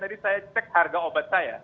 tadi saya cek harga obat saya